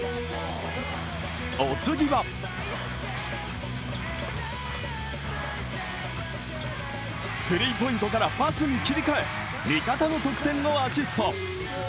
お次はスリーポイントからパスに切り替え味方の得点をアシスト。